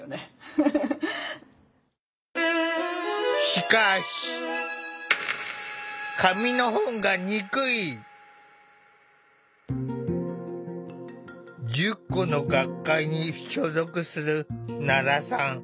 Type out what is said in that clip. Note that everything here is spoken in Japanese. しかし１０個の学会に所属する奈良さん。